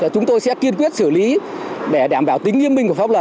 chúng tôi sẽ kiên quyết xử lý để đảm bảo tính nghiêm minh của pháp luật